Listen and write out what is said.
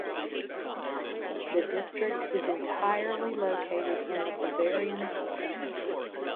The district is entirely located in the Bavarian Forest.